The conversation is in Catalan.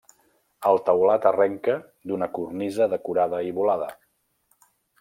El teulat arrenca d'una cornisa decorada i volada.